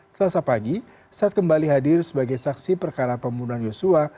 selasa pagi saat kembali hadir sebagai saksi perkara pembunuhan yosua